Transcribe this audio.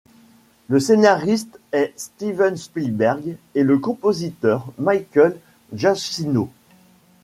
Le scénariste est Steven Spielberg et le compositeur Michael Giacchino.